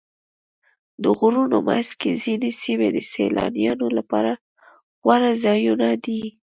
د غرونو منځ کې ځینې سیمې د سیلانیانو لپاره غوره ځایونه دي.